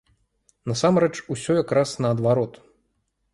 Насамрэч, усё якраз наадварот.